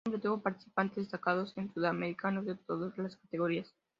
Siempre tuvo participaciones destacadas en Sudamericanos de todas las categorías.